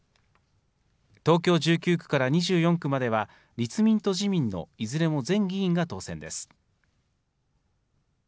東京１９区から２４区までは立民と自民のいずれも前議員が当選です。